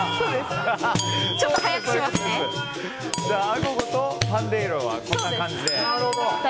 アゴゴとパンデイロはこんな感じで。